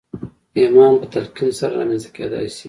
ايمان په تلقين سره رامنځته کېدای شي.